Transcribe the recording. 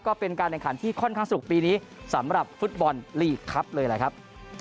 ก็เป็นการแข่งขันที่ค่อนข้างสนุกปีนี้สำหรับฟุตบอลลีกครับเลยแหละครับ